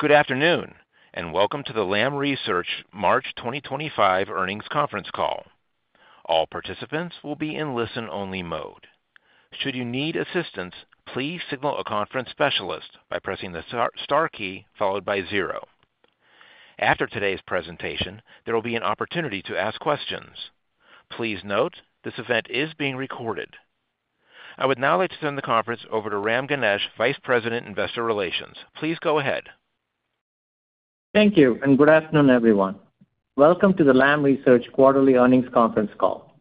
Good Afternoon, and Welcome to the Lam Research March 2025 Earnings Conference Call. All participants will be in listen-only mode. Should you need assistance, please signal a conference specialist by pressing the star key followed by zero. After today's presentation, there will be an opportunity to ask questions. Please note, this event is being recorded. I would now like to turn the conference over to Ram Ganesh, Vice President, Investor Relations. Please go ahead. Thank you, and good afternoon, everyone. Welcome to the Lam Research Quarterly Earnings Conference Call.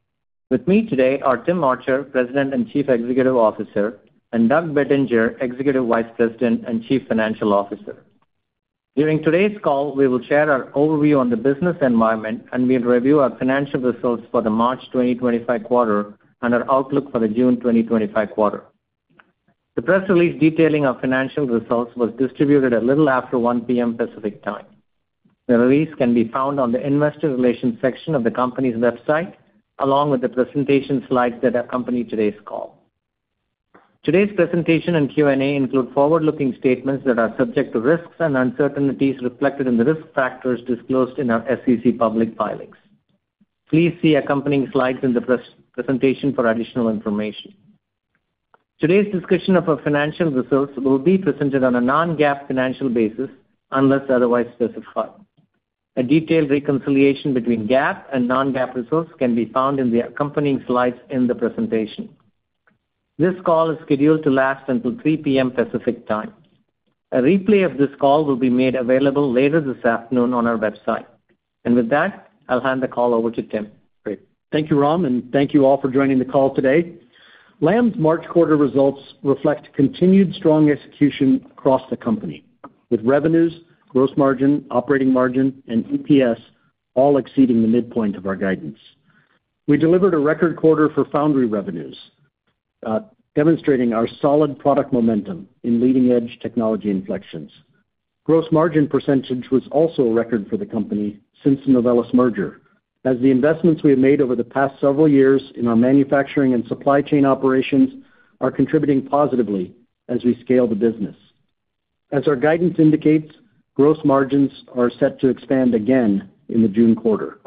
With me today are Tim Archer, President and Chief Executive Officer, and Doug Bettinger, Executive Vice President and Chief Financial Officer. During today's call, we will share our overview on the business environment, and we'll review our financial results for the March 2025 quarter and our outlook for the June 2025 quarter. The press release detailing our financial results was distributed a little after 1:00 P.M. Pacific time. The release can be found on the Investor Relations section of the company's website, along with the presentation slides that accompany today's call. Today's presentation and Q&A include forward-looking statements that are subject to risks and uncertainties reflected in the risk factors disclosed in our SEC public filings. Please see accompanying slides in the presentation for additional information. Today's discussion of our financial results will be presented on a non-GAAP financial basis unless otherwise specified. A detailed reconciliation between GAAP and non-GAAP results can be found in the accompanying slides in the presentation. This call is scheduled to last until 3:00 P.M. Pacific time. A replay of this call will be made available later this afternoon on our website. With that, I'll hand the call over to Tim. Great. Thank you, Ram, and thank you all for joining the call today. Lam's March quarter results reflect continued strong execution across the company, with revenues, gross margin, operating margin, and EPS all exceeding the midpoint of our guidance. We delivered a record quarter for foundry revenues, demonstrating our solid product momentum in leading-edge technology inflections. Gross margin percentage was also a record for the company since the Novellus merger, as the investments we have made over the past several years in our manufacturing and supply chain operations are contributing positively as we scale the business. As our guidance indicates, gross margins are set to expand again in the June quarter.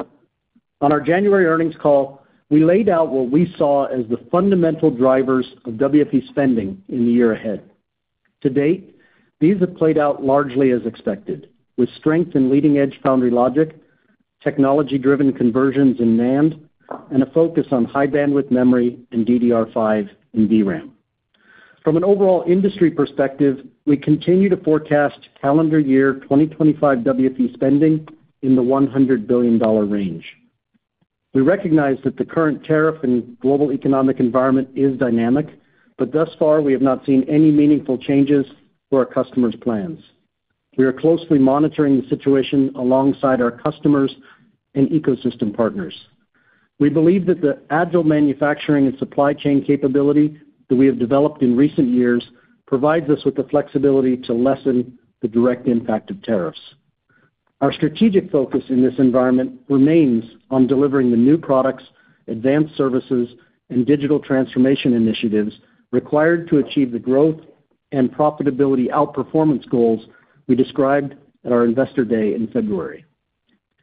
On our January earnings call, we laid out what we saw as the fundamental drivers of WFE spending in the year ahead. To date, these have played out largely as expected, with strength in leading-edge foundry logic, technology-driven conversions in NAND, and a focus on high-bandwidth memory and DDR5 and VRAM. From an overall industry perspective, we continue to forecast calendar year 2025 WFE spending in the $100 billion range. We recognize that the current tariff and global economic environment is dynamic, but thus far, we have not seen any meaningful changes to our customers' plans. We are closely monitoring the situation alongside our customers and ecosystem partners. We believe that the agile manufacturing and supply chain capability that we have developed in recent years provides us with the flexibility to lessen the direct impact of tariffs. Our strategic focus in this environment remains on delivering the new products, advanced services, and digital transformation initiatives required to achieve the growth and profitability outperformance goals we described at our Investor Day in February.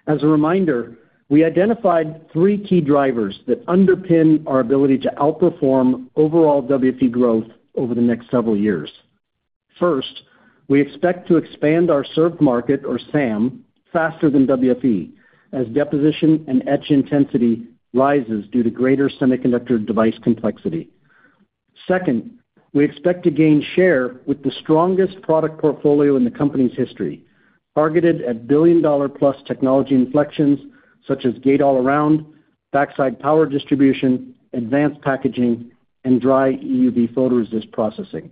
As a reminder, we identified three key drivers that underpin our ability to outperform overall WFE growth over the next several years. First, we expect to expand our serve market, or SAM, faster than WFE, as deposition and etch intensity rises due to greater semiconductor device complexity. Second, we expect to gain share with the strongest product portfolio in the company's history, targeted at billion-dollar-plus technology inflections such as Gate-All-Around, backside power distribution, advanced packaging, and Dry EUV photoresist processing.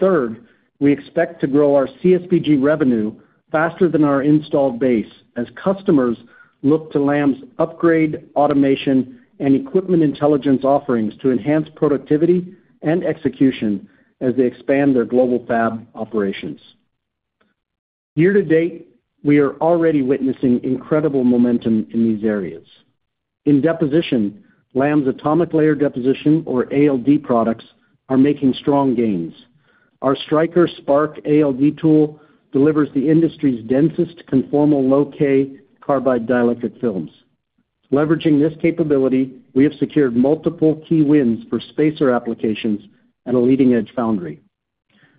Third, we expect to grow our CSBG revenue faster than our installed base as customers look to Lam's upgrade, automation, and Equipment Intelligence offerings to enhance productivity and execution as they expand their global fab operations. Year to date, we are already witnessing incredible momentum in these areas. In deposition, Lam's atomic layer deposition, or ALD, products are making strong gains. Our Striker SPARC ALD tool delivers the industry's densest conformal low-k carbide dielectric films. Leveraging this capability, we have secured multiple key wins for spacer applications at a leading-edge foundry.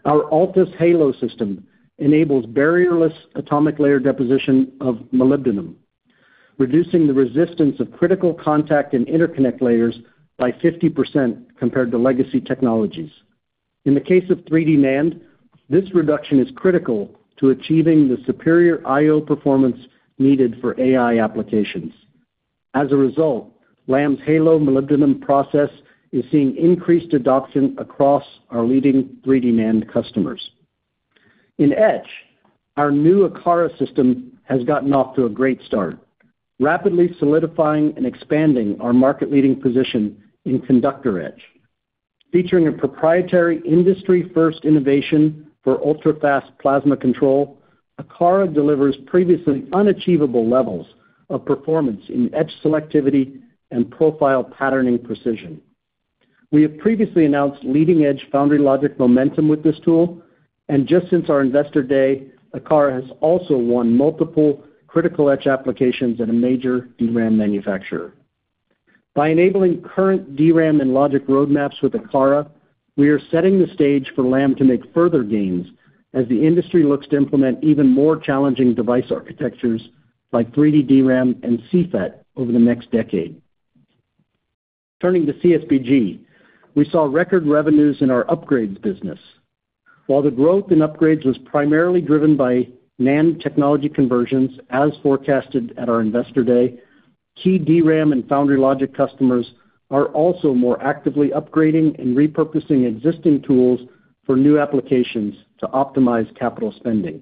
Our ALTUS Halo system enables barrierless atomic layer deposition of molybdenum, reducing the resistance of critical contact and interconnect layers by 50% compared to legacy technologies. In the case of 3D NAND, this reduction is critical to achieving the superior I/O performance needed for AI applications. As a result, Lam's Halo molybdenum process is seeing increased adoption across our leading 3D NAND customers. In etch, our new Akara system has gotten off to a great start, rapidly solidifying and expanding our market-leading position in conductor etch. Featuring a proprietary industry-first innovation for ultra-fast plasma control, Akara delivers previously unachievable levels of performance in etch selectivity and profile patterning precision. We have previously announced leading-edge foundry logic momentum with this tool, and just since our Investor Day, Akara has also won multiple critical etch applications at a major DRAM manufacturer. By enabling current DRAM and logic roadmaps with Akara, we are setting the stage for Lam to make further gains as the industry looks to implement even more challenging device architectures like 3D DRAM and CFET over the next decade. Turning to CSBG, we saw record revenues in our upgrades business. While the growth in upgrades was primarily driven by NAND technology conversions as forecasted at our Investor Day, key DRAM and foundry logic customers are also more actively upgrading and repurposing existing tools for new applications to optimize capital spending.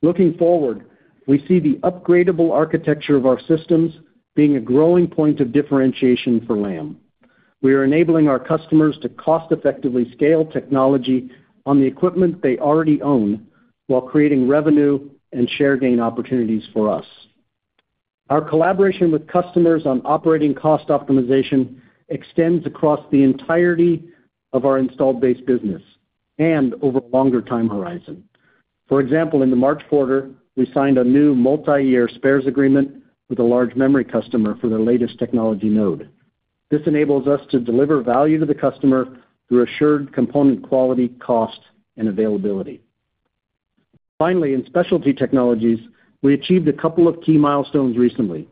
Looking forward, we see the upgradable architecture of our systems being a growing point of differentiation for Lam. We are enabling our customers to cost-effectively scale technology on the equipment they already own while creating revenue and share gain opportunities for us. Our collaboration with customers on operating cost optimization extends across the entirety of our installed-based business and over a longer time horizon. For example, in the March quarter, we signed a new multi-year spares agreement with a large memory customer for their latest technology node. This enables us to deliver value to the customer through assured component quality, cost, and availability. Finally, in specialty technologies, we achieved a couple of key milestones recently.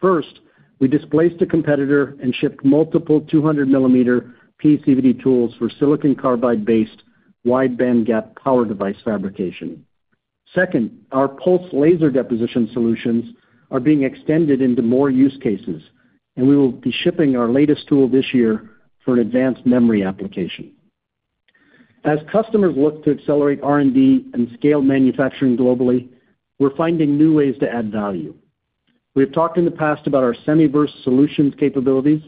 First, we displaced a competitor and shipped multiple 200 mm PECVD tools for silicon carbide-based wide-bandgap power device fabrication. Second, our pulse laser deposition solutions are being extended into more use cases, and we will be shipping our latest tool this year for an advanced memory application. As customers look to accelerate R&D and scale manufacturing globally, we're finding new ways to add value. We have talked in the past about our Semiverse Solutions capabilities,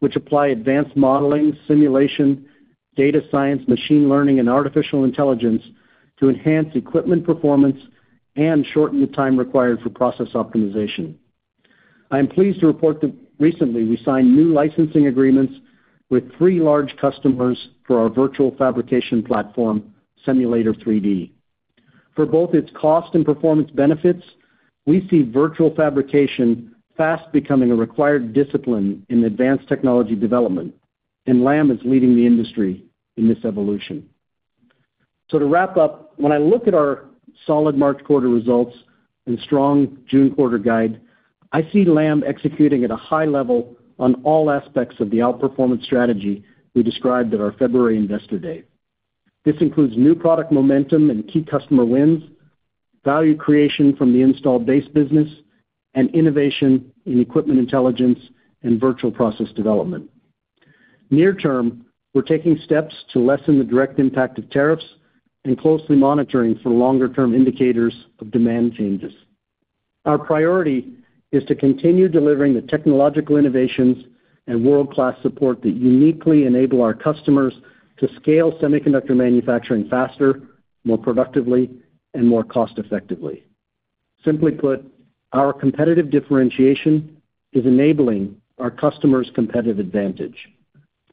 which apply advanced modeling, simulation, data science, machine learning, and artificial intelligence to enhance equipment performance and shorten the time required for process optimization. I am pleased to report that recently we signed new licensing agreements with three large customers for our virtual fabrication platform, SEMulator3D. For both its cost and performance benefits, we see virtual fabrication fast becoming a required discipline in advanced technology development, and Lam is leading the industry in this evolution. To wrap up, when I look at our solid March quarter results and strong June quarter guide, I see Lam executing at a high level on all aspects of the outperformance strategy we described at our February Investor Day. This includes new product momentum and key customer wins, value creation from the installed-based business, and innovation in equipment intelligence and virtual process development. Near term, we're taking steps to lessen the direct impact of tariffs and closely monitoring for longer-term indicators of demand changes. Our priority is to continue delivering the technological innovations and world-class support that uniquely enable our customers to scale semiconductor manufacturing faster, more productively, and more cost-effectively. Simply put, our competitive differentiation is enabling our customers' competitive advantage.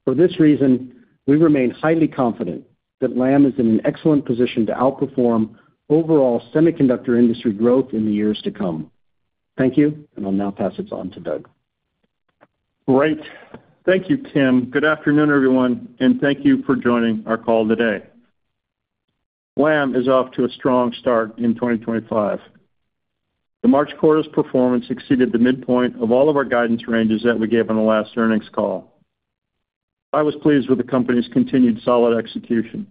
For this reason, we remain highly confident that Lam is in an excellent position to outperform overall semiconductor industry growth in the years to come. Thank you, and I'll now pass it on to Doug. Great. Thank you, Tim. Good afternoon, everyone, and thank you for joining our call today. Lam is off to a strong start in 2025. The March quarter's performance exceeded the midpoint of all of our guidance ranges that we gave on the last earnings call. I was pleased with the company's continued solid execution.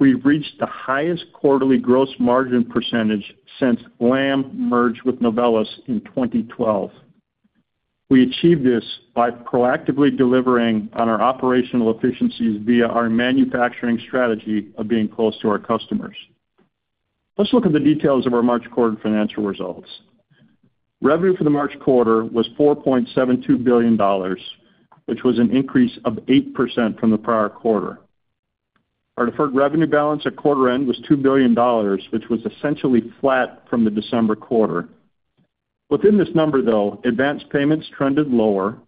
We've reached the highest quarterly gross margin percentage since Lam merged with Novellus in 2012. We achieved this by proactively delivering on our operational efficiencies via our manufacturing strategy of being close to our customers. Let's look at the details of our March quarter financial results. Revenue for the March quarter was $4.72 billion, which was an increase of 8% from the prior quarter. Our deferred revenue balance at quarter end was $2 billion, which was essentially flat from the December quarter. Within this number, though, advanced payments trended lower,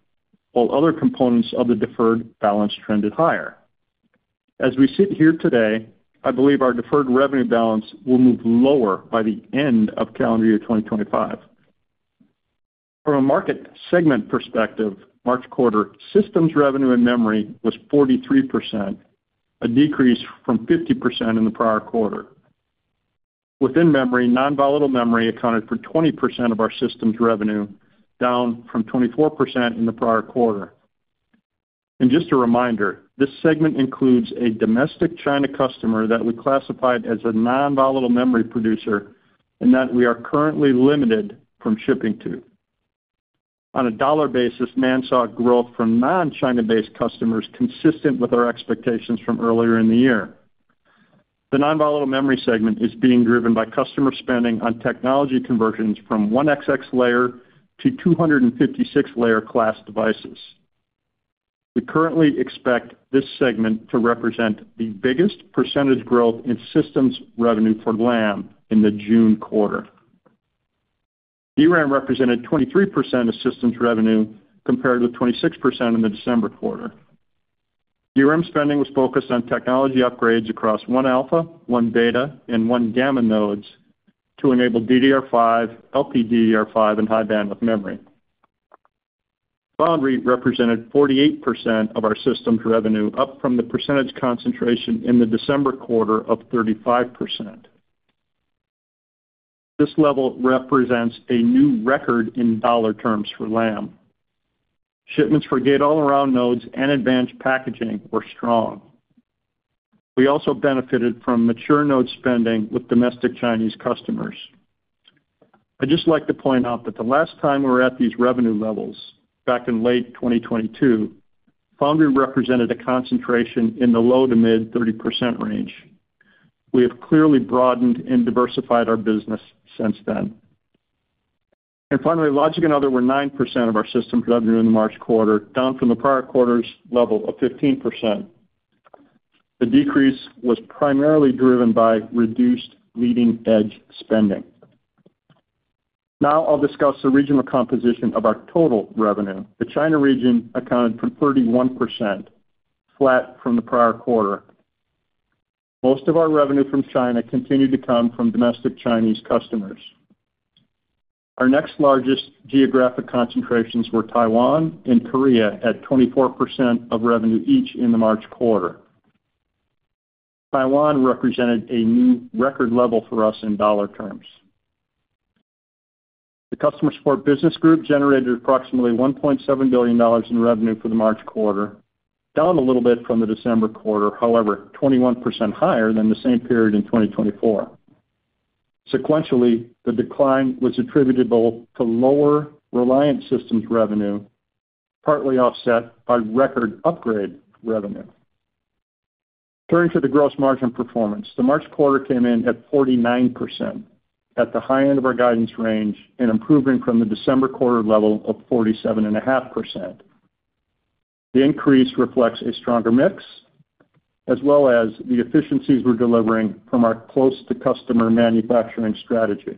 while other components of the deferred balance trended higher. As we sit here today, I believe our deferred revenue balance will move lower by the end of calendar year 2025. From a market segment perspective, March quarter systems revenue in memory was 43%, a decrease from 50% in the prior quarter. Within memory, non-volatile memory accounted for 20% of our systems revenue, down from 24% in the prior quarter. Just a reminder, this segment includes a domestic China customer that we classified as a non-volatile memory producer and that we are currently limited from shipping to. On a dollar basis, non-volatile memory growth from non-China-based customers is consistent with our expectations from earlier in the year. The non-volatile memory segment is being driven by customer spending on technology conversions from 1xx-layer to 256-layer class devices. We currently expect this segment to represent the biggest percentage growth in systems revenue for Lam in the June quarter. DRAM represented 23% of systems revenue compared with 26% in the December quarter. DRAM spending was focused on technology upgrades across 1-alpha, 1-beta, and 1-gamma nodes to enable DDR5, LPDDR5, and high-bandwidth memory. Foundry represented 48% of our systems revenue, up from the percentage concentration in the December quarter of 35%. This level represents a new record in dollar terms for Lam. Shipments for Gate-All-Around nodes and advanced packaging were strong. We also benefited from mature node spending with domestic Chinese customers. I would just like to point out that the last time we were at these revenue levels, back in late 2022, foundry represented a concentration in the low to mid 30% range. We have clearly broadened and diversified our business since then. Finally, logic and other were 9% of our systems revenue in the March quarter, down from the prior quarter's level of 15%. The decrease was primarily driven by reduced leading-edge spending. Now I'll discuss the regional composition of our total revenue. The China region accounted for 31%, flat from the prior quarter. Most of our revenue from China continued to come from domestic Chinese customers. Our next largest geographic concentrations were Taiwan and Korea at 24% of revenue each in the March quarter. Taiwan represented a new record level for us in dollar terms. The customer support business group generated approximately $1.7 billion in revenue for the March quarter, down a little bit from the December quarter, however, 21% higher than the same period in 2024. Sequentially, the decline was attributable to lower reliant systems revenue, partly offset by record upgrade revenue. Turning to the gross margin performance, the March quarter came in at 49%, at the high end of our guidance range and improving from the December quarter level of 47.5%. The increase reflects a stronger mix, as well as the efficiencies we're delivering from our close-to-customer manufacturing strategy.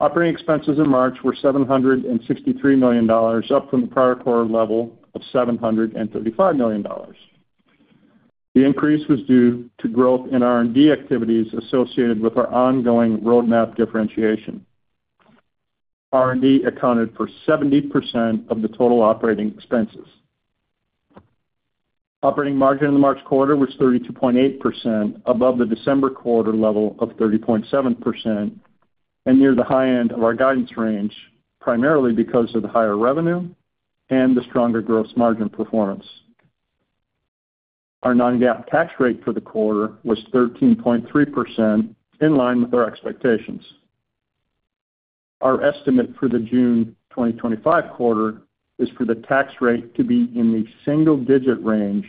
Operating expenses in March were $763 million, up from the prior quarter level of $735 million. The increase was due to growth in R&D activities associated with our ongoing roadmap differentiation. R&D accounted for 70% of the total operating expenses. Operating margin in the March quarter was 32.8%, above the December quarter level of 30.7%, and near the high end of our guidance range, primarily because of the higher revenue and the stronger gross margin performance. Our non-GAAP tax rate for the quarter was 13.3%, in line with our expectations. Our estimate for the June 2025 quarter is for the tax rate to be in the single-digit range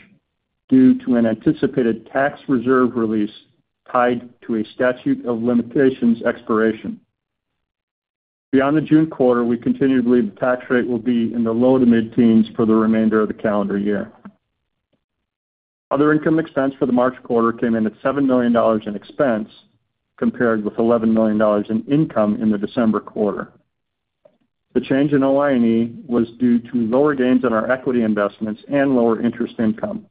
due to an anticipated tax reserve release tied to a statute of limitations expiration. Beyond the June quarter, we continue to believe the tax rate will be in the low to mid-teens for the remainder of the calendar year. Other income expense for the March quarter came in at $7 million in expense, compared with $11 million in income in the December quarter. The change in OI&E was due to lower gains on our equity investments and lower interest income.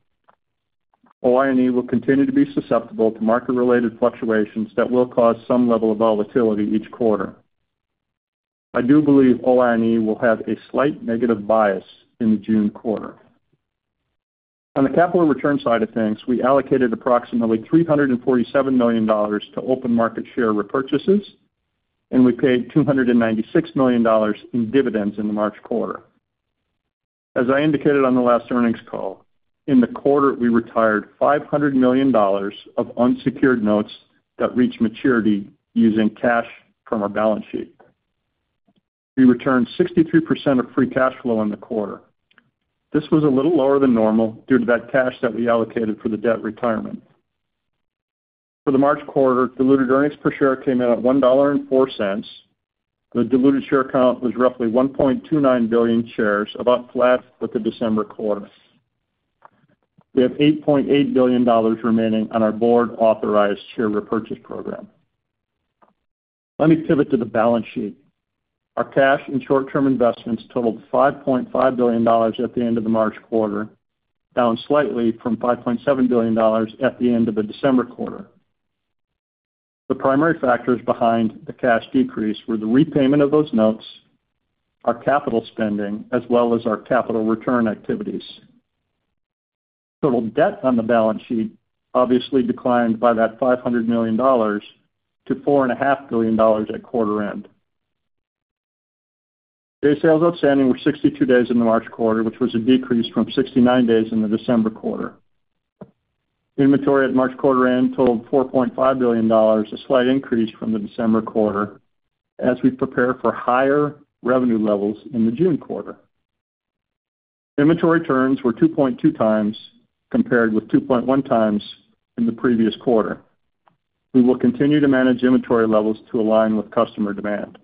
OI&E will continue to be susceptible to market-related fluctuations that will cause some level of volatility each quarter. I do believe OI&E will have a slight negative bias in the June quarter. On the capital return side of things, we allocated approximately $347 million to open market share repurchases, and we paid $296 million in dividends in the March quarter. As I indicated on the last earnings call, in the quarter, we retired $500 million of unsecured notes that reached maturity using cash from our balance sheet. We returned 63% of free cash flow in the quarter. This was a little lower than normal due to that cash that we allocated for the debt retirement. For the March quarter, diluted earnings per share came in at $1.04. The diluted share count was roughly 1.29 billion shares, about flat with the December quarter. We have $8.8 billion remaining on our board-authorized share repurchase program. Let me pivot to the balance sheet. Our cash and short-term investments totaled $5.5 billion at the end of the March quarter, down slightly from $5.7 billion at the end of the December quarter. The primary factors behind the cash decrease were the repayment of those notes, our capital spending, as well as our capital return activities. Total debt on the balance sheet obviously declined by that $500 million to $4.5 billion at quarter end. Day sales outstanding were 62 days in the March quarter, which was a decrease from 69 days in the December quarter. Inventory at March quarter end totaled $4.5 billion, a slight increase from the December quarter, as we prepare for higher revenue levels in the June quarter. Inventory turns were 2.2x compared with 2.1x in the previous quarter. We will continue to manage inventory levels to align with customer demand.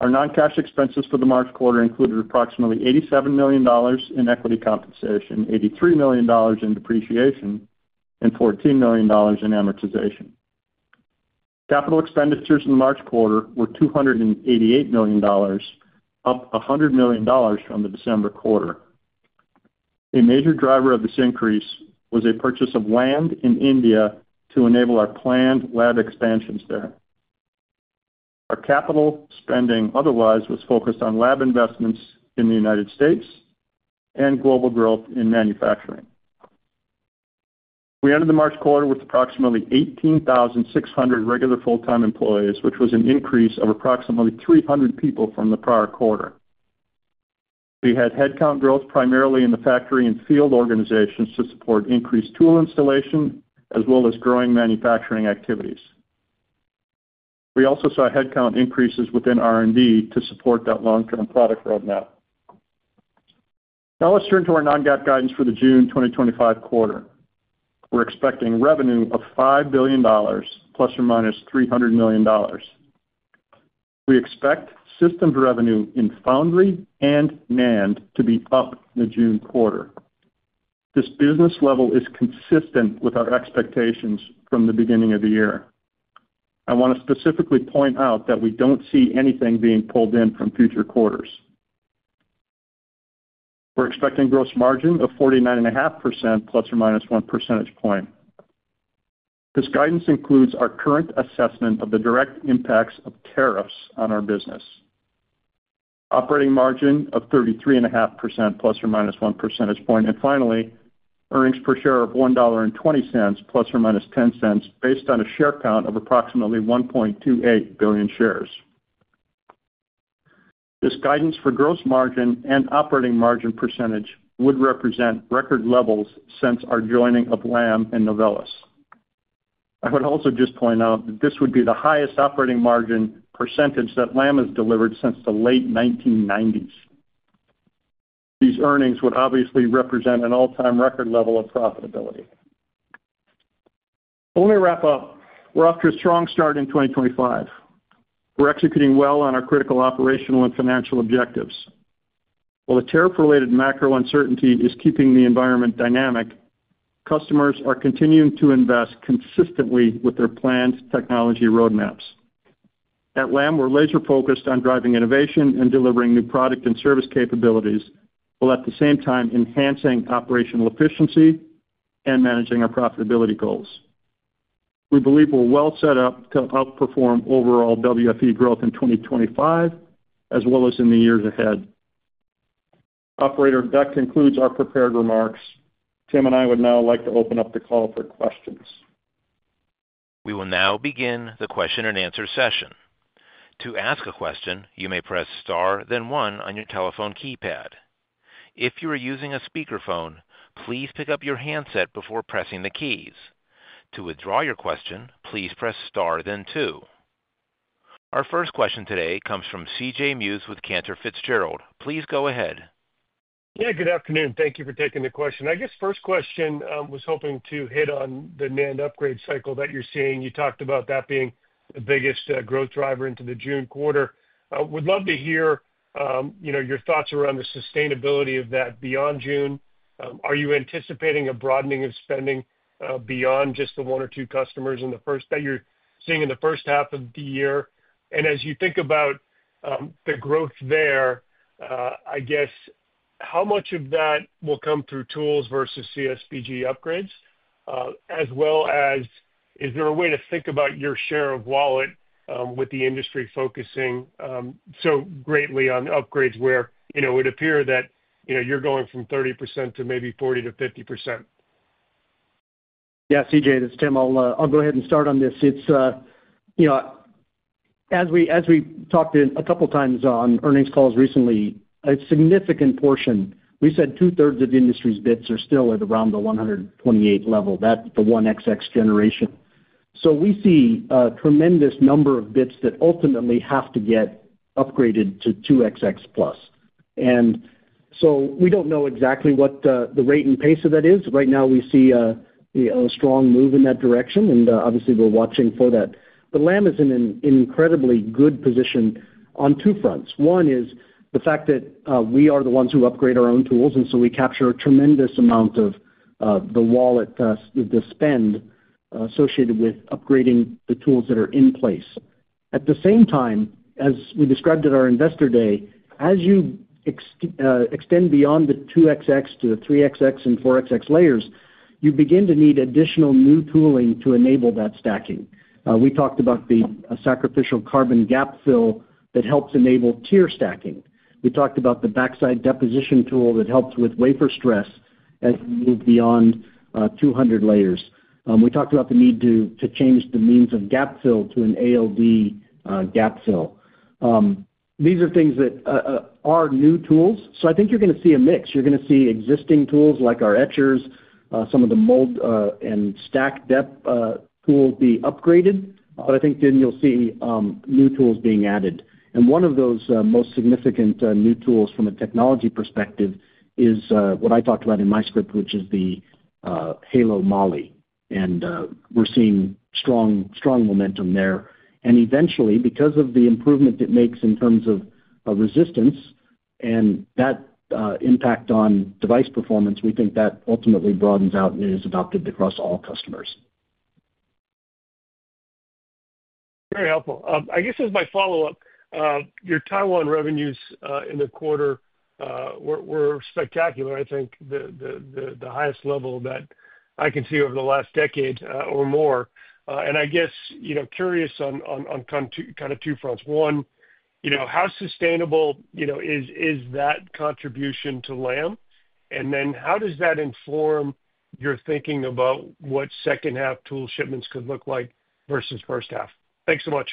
Our non-cash expenses for the March quarter included approximately $87 million in equity compensation, $83 million in depreciation, and $14 million in amortization. Capital expenditures in the March quarter were $288 million, up $100 million from the December quarter. A major driver of this increase was a purchase of land in India to enable our planned lab expansions there. Our capital spending otherwise was focused on lab investments in the United States and global growth in manufacturing. We ended the March quarter with approximately 18,600 regular full-time employees, which was an increase of approximately 300 people from the prior quarter. We had headcount growth primarily in the factory and field organizations to support increased tool installation, as well as growing manufacturing activities. We also saw headcount increases within R&D to support that long-term product roadmap. Now let's turn to our non-GAAP guidance for the June 2025 quarter. We're expecting revenue of $5 billion, plus or minus $300 million. We expect systems revenue in foundry and NAND to be up in the June quarter. This business level is consistent with our expectations from the beginning of the year. I want to specifically point out that we don't see anything being pulled in from future quarters. We're expecting gross margin of 49.5%, plus or minus 1 percentage point. This guidance includes our current assessment of the direct impacts of tariffs on our business, operating margin of 33.5%, plus or minus 1 percentage point, and finally, earnings per share of $1.20, plus or minus $0.10, based on a share count of approximately 1.28 billion shares. This guidance for gross margin and operating margin percentage would represent record levels since our joining of Lam and Novellus. I would also just point out that this would be the highest operating margin percentage that Lam has delivered since the late 1990s. These earnings would obviously represent an all-time record level of profitability. To wrap up, we're off to a strong start in 2025. We're executing well on our critical operational and financial objectives. While the tariff-related macro uncertainty is keeping the environment dynamic, customers are continuing to invest consistently with their planned technology roadmaps. At Lam, we're laser-focused on driving innovation and delivering new product and service capabilities, while at the same time enhancing operational efficiency and managing our profitability goals. We believe we're well set up to outperform overall WFE growth in 2025, as well as in the years ahead. Operator, that concludes our prepared remarks. Tim and I would now like to open up the call for questions. We will now begin the question-and-answer session. To ask a question, you may press star, then one on your telephone keypad. If you are using a speakerphone, please pick up your handset before pressing the keys. To withdraw your question, please press star, then two. Our first question today comes from CJ Muse with Cantor Fitzgerald. Please go ahead. Yeah, good afternoon. Thank you for taking the question. I guess first question was hoping to hit on the NAND upgrade cycle that you're seeing. You talked about that being the biggest growth driver into the June quarter. We'd love to hear your thoughts around the sustainability of that beyond June. Are you anticipating a broadening of spending beyond just the one or two customers that you're seeing in the first half of the year? As you think about the growth there, I guess, how much of that will come through tools versus CSBG upgrades, as well as is there a way to think about your share of wallet with the industry focusing so greatly on upgrades where it would appear that you're going from 30% to maybe 40-50%? Yeah, CJ, this is Tim. I'll go ahead and start on this. As we talked a couple of times on earnings calls recently, a significant portion, we said two-thirds of the industry's bits are still at around the 128 level, that the 1xx generation. We see a tremendous number of bits that ultimately have to get upgraded to 2XX+. We do not know exactly what the rate and pace of that is. Right now, we see a strong move in that direction, and obviously, we are watching for that. Lam is in an incredibly good position on two fronts. One is the fact that we are the ones who upgrade our own tools, and we capture a tremendous amount of the wallet spend associated with upgrading the tools that are in place. At the same time, as we described at our Investor Day, as you extend beyond the 2XX to the 3XX and 4XX layers, you begin to need additional new tooling to enable that stacking. We talked about the sacrificial carbon gap fill that helps enable tier stacking. We talked about the backside deposition tool that helps with wafer stress as you move beyond 200 layers. We talked about the need to change the means of gap fill to an ALD gap fill. These are things that are new tools. I think you're going to see a mix. You're going to see existing tools like our etchers, some of the mold and stack depth tools be upgraded. I think then you'll see new tools being added. One of those most significant new tools from a technology perspective is what I talked about in my script, which is the Halo Molly. We are seeing strong momentum there. Eventually, because of the improvement it makes in terms of resistance and that impact on device performance, we think that ultimately broadens out and is adopted across all customers. Very helpful. I guess as my follow-up, your Taiwan revenues in the quarter were spectacular, I think the highest level that I can see over the last decade or more. I guess curious on kind of two fronts. One, how sustainable is that contribution to Lam? How does that inform your thinking about what second-half tool shipments could look like versus first half? Thanks so much.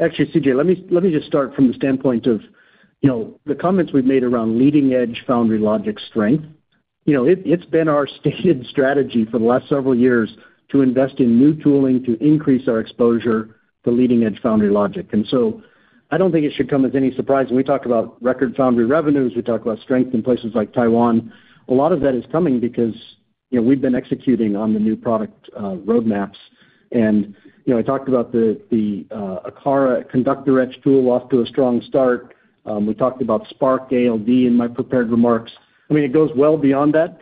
Actually, CJ, let me just start from the standpoint of the comments we have made around leading-edge foundry logic strength. It's been our stated strategy for the last several years to invest in new tooling to increase our exposure to leading-edge foundry logic. I don't think it should come as any surprise. When we talk about record foundry revenues, we talk about strength in places like Taiwan. A lot of that is coming because we've been executing on the new product roadmaps. I talked about the Akara conductor etch tool off to a strong start. We talked about SPARC ALD in my prepared remarks. I mean, it goes well beyond that.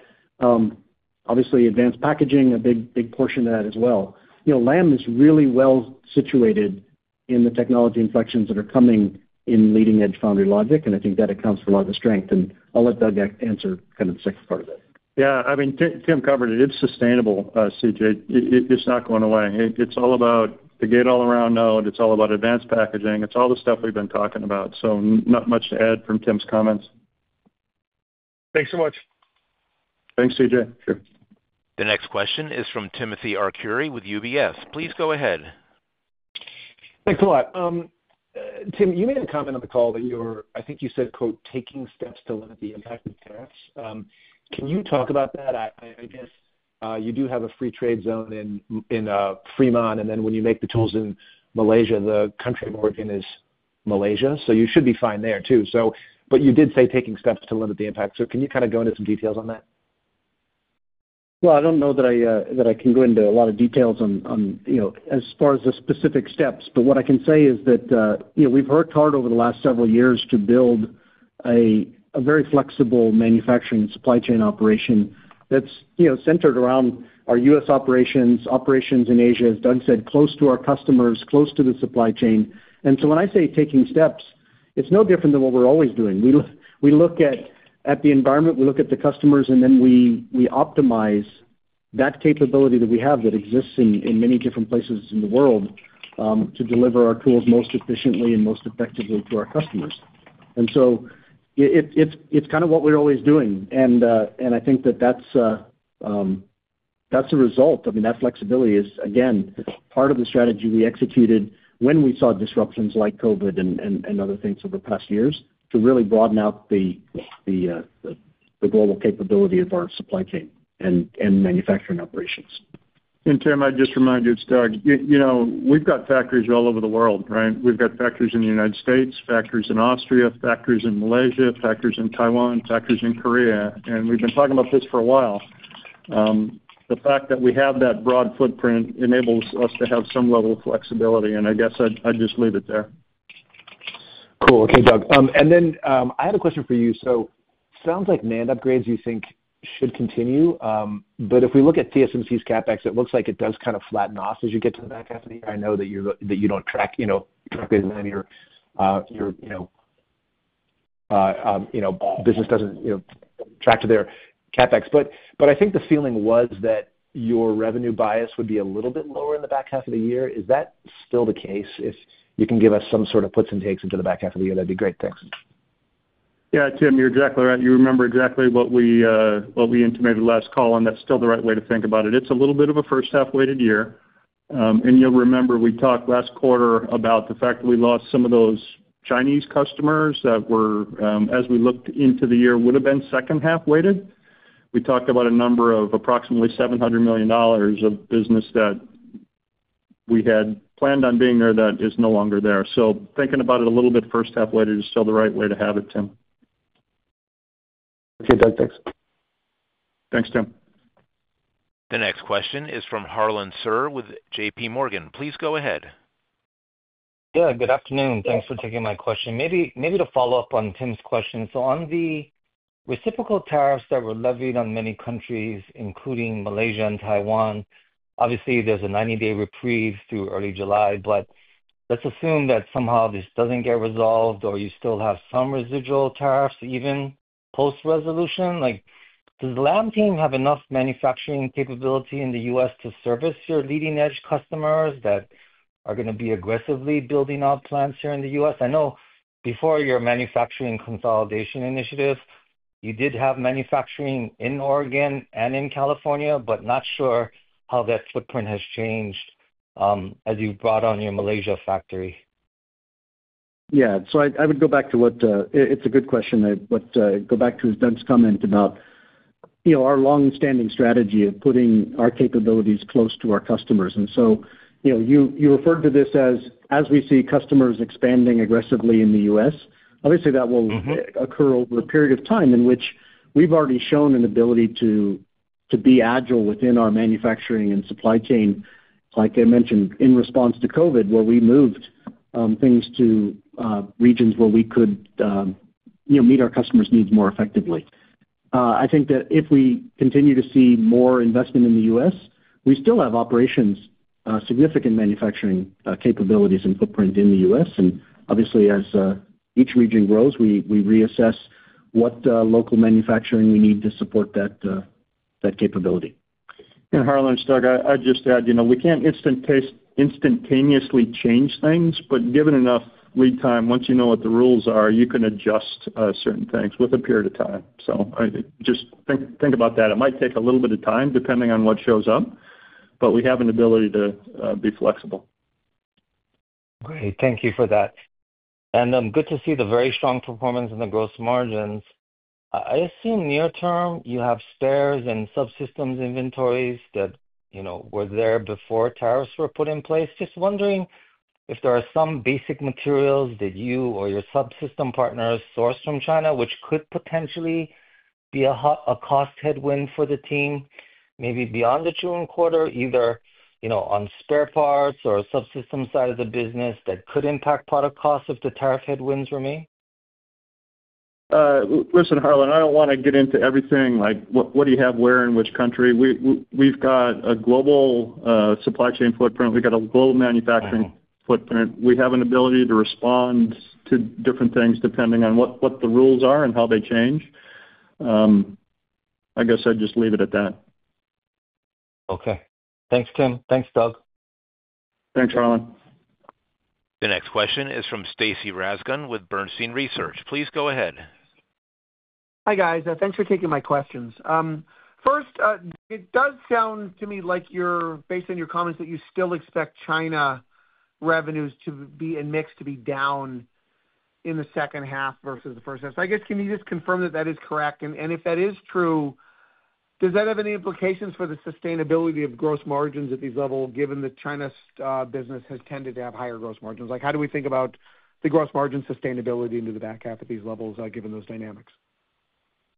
Obviously, advanced packaging, a big portion of that as well. Lam is really well situated in the technology inflections that are coming in leading-edge foundry logic, and I think that accounts for a lot of the strength. I'll let Doug answer kind of the second part of it. Yeah. I mean, Tim covered it. It's sustainable, CJ. It's not going away. It's all about the Gate-All-Around node. It's all about advanced packaging. It's all the stuff we've been talking about. Not much to add from Tim's comments. Thanks so much. Thanks, CJ. Sure. The next question is from Timothy Arcuri with UBS. Please go ahead. Thanks a lot. Tim, you made a comment on the call that you were, I think you said, "taking steps to limit the impact of tariffs." Can you talk about that? I guess you do have a free trade zone in Fremont, and then when you make the tools in Malaysia, the country of origin is Malaysia. You should be fine there too. You did say taking steps to limit the impact. Can you kind of go into some details on that? I don't know that I can go into a lot of details as far as the specific steps, but what I can say is that we've worked hard over the last several years to build a very flexible manufacturing supply chain operation that's centered around our U.S. operations, operations in Asia, as Doug said, close to our customers, close to the supply chain. When I say taking steps, it's no different than what we're always doing. We look at the environment, we look at the customers, and then we optimize that capability that we have that exists in many different places in the world to deliver our tools most efficiently and most effectively to our customers. It's kind of what we're always doing. I think that that's a result. I mean, that flexibility is, again, part of the strategy we executed when we saw disruptions like COVID and other things over past years to really broaden out the global capability of our supply chain and manufacturing operations. Tim, I'd just remind you, it's Doug, we've got factories all over the world, right? We've got factories in the United States, factories in Austria, factories in Malaysia, factories in Taiwan, factories in Korea. We've been talking about this for a while. The fact that we have that broad footprint enables us to have some level of flexibility. I guess I'd just leave it there. Cool. Okay, Doug. I have a question for you. It sounds like NAND upgrades you think should continue. If we look at TSMC's CapEx, it looks like it does kind of flatten off as you get to the back half of the year. I know that you do not track exactly, that your business does not track to their CapEx. I think the feeling was that your revenue bias would be a little bit lower in the back half of the year. Is that still the case? If you can give us some sort of puts and takes into the back half of the year, that would be great. Thanks. Yeah, Tim, you are exactly right. You remember exactly what we intimated last call, and that is still the right way to think about it. It is a little bit of a first-half-weighted year. You will remember we talked last quarter about the fact that we lost some of those Chinese customers that, as we looked into the year, would have been second-half-weighted. We talked about a number of approximately $700 million of business that we had planned on being there that is no longer there. Thinking about it a little bit first-half-weighted is still the right way to have it, Tim. Okay, Doug. Thanks. Thanks, Tim. The next question is from Harlan Sur with JPMorgan. Please go ahead. Yeah, good afternoon. Thanks for taking my question. Maybe to follow up on Tim's question. On the reciprocal tariffs that were levied on many countries, including Malaysia and Taiwan, obviously, there is a 90-day reprieve through early July. Let's assume that somehow this does not get resolved or you still have some residual tariffs even post-resolution. Does the Lam team have enough manufacturing capability in the U.S. to service your leading-edge customers that are going to be aggressively building out plants here in the U.S.? I know before your manufacturing consolidation initiative, you did have manufacturing in Oregon and in California, but not sure how that footprint has changed as you brought on your Malaysia factory. Yeah. I would go back to what, it's a good question. I'd go back to Doug's comment about our long-standing strategy of putting our capabilities close to our customers. You referred to this as, as we see customers expanding aggressively in the U.S., obviously, that will occur over a period of time in which we've already shown an ability to be agile within our manufacturing and supply chain, like I mentioned, in response to COVID, where we moved things to regions where we could meet our customers' needs more effectively. I think that if we continue to see more investment in the U.S., we still have operations, significant manufacturing capabilities and footprint in the U.S. Obviously, as each region grows, we reassess what local manufacturing we need to support that capability. Harlan, Doug, I'd just add we can't instantaneously change things, but given enough lead time, once you know what the rules are, you can adjust certain things with a period of time. Just think about that. It might take a little bit of time depending on what shows up, but we have an ability to be flexible. Great. Thank you for that. Good to see the very strong performance in the gross margins. I assume near-term you have spares and subsystems inventories that were there before tariffs were put in place. Just wondering if there are some basic materials that you or your subsystem partners sourced from China, which could potentially be a cost headwind for the team, maybe beyond the June quarter, either on spare parts or subsystem side of the business that could impact product costs if the tariff headwinds remain? Listen, Harlan, I do not want to get into everything. What do you have where in which country? We have got a global supply chain footprint. We have got a global manufacturing footprint. We have an ability to respond to different things depending on what the rules are and how they change. I guess I'd just leave it at that. Okay. Thanks, Tim. Thanks, Doug. Thanks, Harlan. The next question is from Stacy Rasgon with Bernstein Research. Please go ahead. Hi guys. Thanks for taking my questions. First, it does sound to me like you're, based on your comments, that you still expect China revenues to be in mix to be down in the second half versus the first half. I guess can you just confirm that that is correct? If that is true, does that have any implications for the sustainability of gross margins at these levels given that China's business has tended to have higher gross margins? How do we think about the gross margin sustainability into the back half at these levels given those dynamics?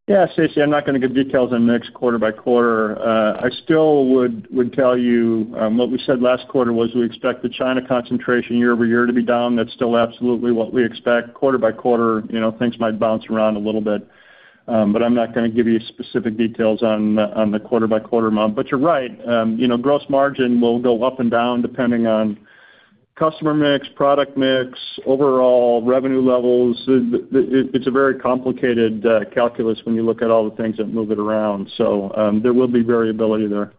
Yeah, Stacy, I'm not going to give details in the next quarter by quarter. I still would tell you what we said last quarter was we expect the China concentration year-over-year to be down. That's still absolutely what we expect. Quarter by quarter, things might bounce around a little bit. I'm not going to give you specific details on the quarter by quarter month. You're right. Gross margin will go up and down depending on customer mix, product mix, overall revenue levels. It's a very complicated calculus when you look at all the things that move it around. There will be variability there.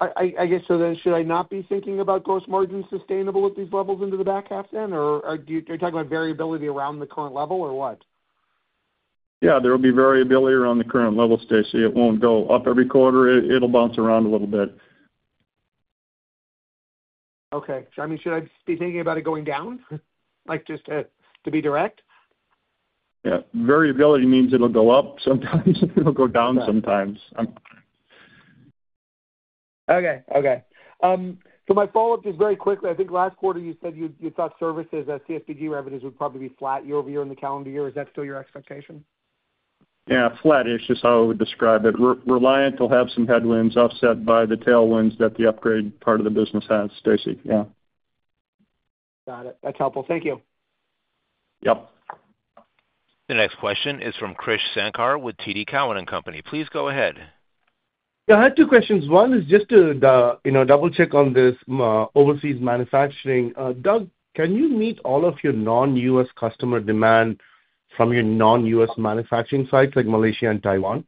I guess so then should I not be thinking about gross margin sustainable at these levels into the back half then? Are you talking about variability around the current level or what? Yeah, there will be variability around the current level, Stacey. It won't go up every quarter. It'll bounce around a little bit. Okay. I mean, should I be thinking about it going down? Just to be direct? Yeah. Variability means it'll go up sometimes. It'll go down sometimes. Okay. Okay. So my follow-up is very quickly. I think last quarter you said you thought services at CSBG revenues would probably be flat year-over-year in the calendar year. Is that still your expectation? Yeah, flat is just how I would describe it. Reliant will have some headwinds offset by the tailwinds that the upgrade part of the business has, Stacey. Yeah. Got it. That's helpful. Thank you. Yep. The next question is from Krish Sankar with TD Cowen. Please go ahead. Yeah, I had two questions. One is just to double-check on this overseas manufacturing. Doug, can you meet all of your non-U.S. customer demand from your non-U.S. manufacturing sites like Malaysia and Taiwan?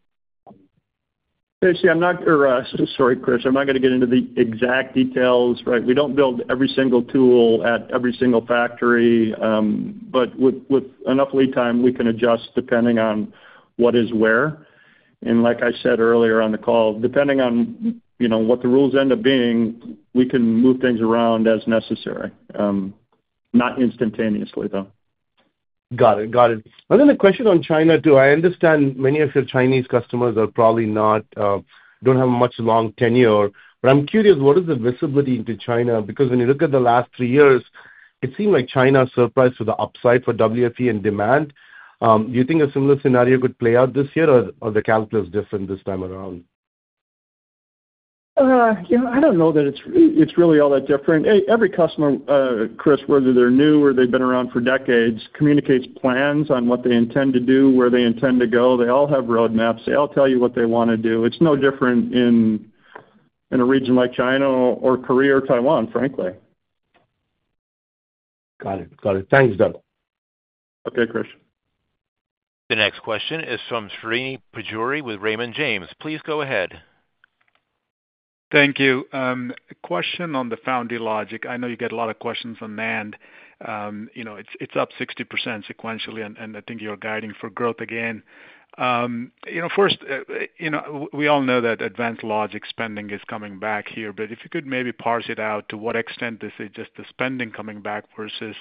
Stacey, I'm not—sorry, Krish. I'm not going to get into the exact details, right? We don't build every single tool at every single factory. With enough lead time, we can adjust depending on what is where. Like I said earlier on the call, depending on what the rules end up being, we can move things around as necessary. Not instantaneously, though. Got it. Got it. Another question on China. Do I understand many of your Chinese customers are probably not—don't have a much long tenure. I'm curious, what is the visibility into China? Because when you look at the last three years, it seemed like China surprised to the upside for WFE and demand. Do you think a similar scenario could play out this year, or the calculus is different this time around? I don't know that it's really all that different. Every customer, Krish, whether they're new or they've been around for decades, communicates plans on what they intend to do, where they intend to go. They all have roadmaps. They all tell you what they want to do. It's no different in a region like China or Korea or Taiwan, frankly. Got it. Got it. Thanks, Doug. Okay, Krish. The next question is from Srini Pajjuri with Raymond James. Please go ahead. Thank you. Question on the foundry logic. I know you get a lot of questions on NAND. It's up 60% sequentially, and I think you're guiding for growth again. First, we all know that advanced logic spending is coming back here. If you could maybe parse it out, to what extent is it just the spending coming back versus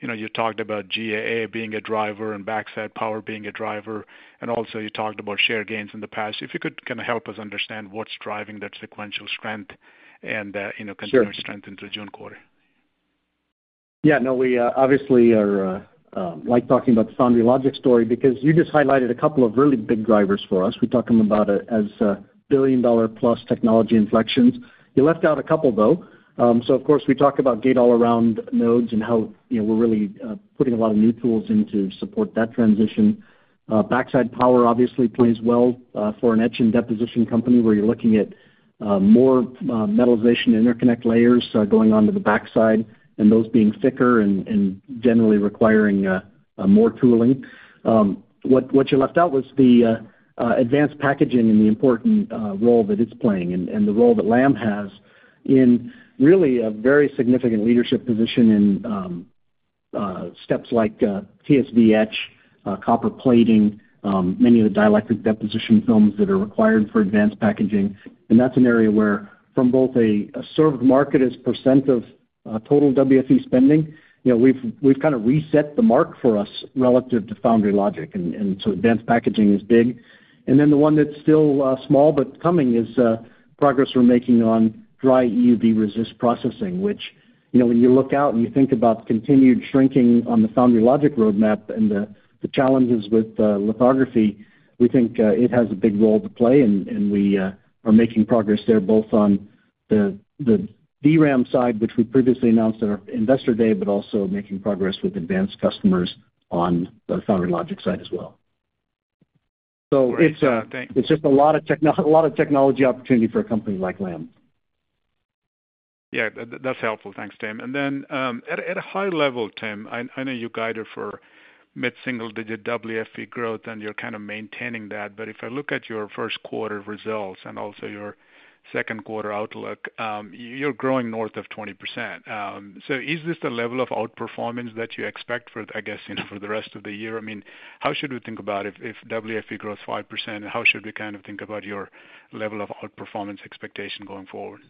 you talked about GAA being a driver and backside power being a driver. Also, you talked about share gains in the past. If you could kind of help us understand what's driving that sequential strength and continued strength into June quarter. Yeah. No, we obviously are like talking about the foundry logic story because you just highlighted a couple of really big drivers for us. We talked to them about it as billion-dollar-plus technology inflections. You left out a couple, though. Of course, we talk about Gate-All-Around nodes and how we're really putting a lot of new tools in to support that transition. Backside power obviously plays well for an etch and deposition company where you're looking at more metalization interconnect layers going onto the backside and those being thicker and generally requiring more tooling. What you left out was the advanced packaging and the important role that it's playing and the role that Lam has in really a very significant leadership position in steps like TSV etch, copper plating, many of the dielectric deposition films that are required for advanced packaging. That is an area where from both a served market as % of total WFE spending, we've kind of reset the mark for us relative to foundry logic. Advanced packaging is big. The one that's still small but coming is progress we're making on Dry EUV resist processing, which, when you look out and you think about continued shrinking on the foundry logic roadmap and the challenges with lithography, we think it has a big role to play. We are making progress there both on the DRAM side, which we previously announced at our Investor Day, but also making progress with advanced customers on the foundry logic side as well. It is just a lot of technology opportunity for a company like Lam. Yeah, that's helpful. Thanks, Tim. At a high level, Tim, I know you guided for mid-single-digit WFE growth, and you're kind of maintaining that. If I look at your first quarter results and also your second quarter outlook, you're growing north of 20%. Is this the level of outperformance that you expect for, I guess, for the rest of the year? I mean, how should we think about if WFE grows 5%? And how should we kind of think about your level of outperformance expectation going forward?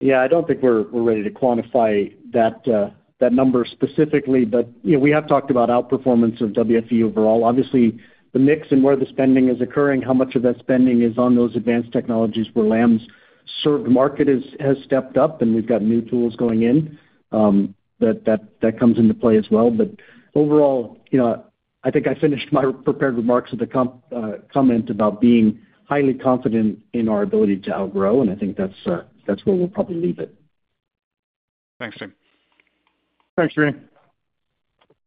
Yeah, I don't think we're ready to quantify that number specifically. But we have talked about outperformance of WFE overall. Obviously, the mix and where the spending is occurring, how much of that spending is on those advanced technologies where Lam's served market has stepped up, and we've got new tools going in, that comes into play as well. Overall, I think I finished my prepared remarks with a comment about being highly confident in our ability to outgrow, and I think that's where we'll probably leave it. Thanks, Tim. Thanks, Srini.